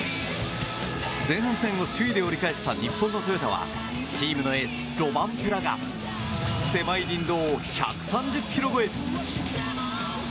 前半戦を首位で折り返した日本のトヨタはチームのエース、ロバンペラが狭い林道を１３０キロ超え！